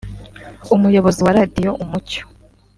Umuyobozi wa Radiyo Umucyo